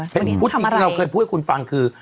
เพ็ญพุธที่เราเคยพูดให้คุณฟังคือ